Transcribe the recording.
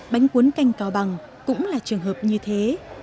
bánh cuốn canh cao bằng cũng là trường hợp như thế